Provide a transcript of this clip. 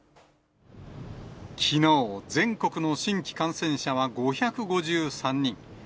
きのう全国の新規感染者は５５３人。